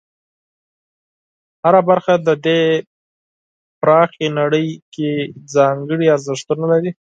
هره برخه د دې پراخه نړۍ کې ځانګړي ارزښتونه لري.